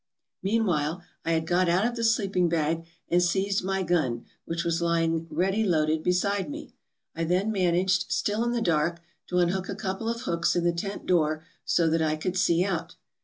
" Meanwhile, I had got out of the sleeping bag, and seized my gun, which was lying ready loaded beside me. I then managed — still in the dark — to unhook a couple of hooks in the tent door so that I could see out.